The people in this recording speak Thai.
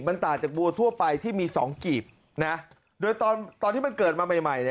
มันต่างจากบัวทั่วไปที่มีสองกีบนะโดยตอนที่มันเกิดมาใหม่ใหม่